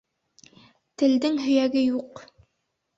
Телдең һөйәге юҡ.